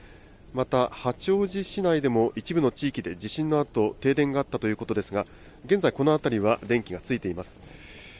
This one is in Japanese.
また、八王子市内でも、一部の地域で地震のあと、停電があったということですが、現在、この辺りは電気がついています。